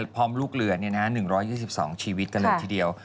พร้อมลูกเรือ๑๒๒ชีวิตกันเลยทีเดียว